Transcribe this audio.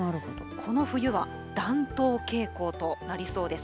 この冬は暖冬傾向となりそうです。